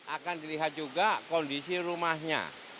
akan dilihat juga kondisi rumahnya